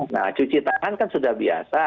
nah cuci tangan kan sudah biasa